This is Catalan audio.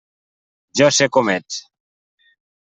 Jo sé com ets.